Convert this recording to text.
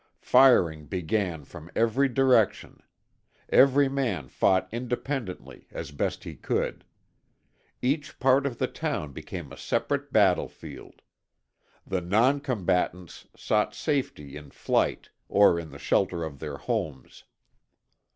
Firing began from every direction every man fought independently, as best he could. Each part of the town became a separate battlefield. The non combatants sought safety in flight or in the shelter of their homes.